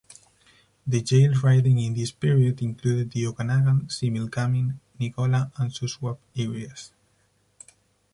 The Yale riding in this period included the Okanagan, Similkameen, Nicola and Shuswap areas.